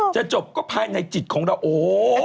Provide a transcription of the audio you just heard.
จะจบก็ภายในจิตของเราโอ้โห